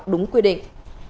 đúng quy định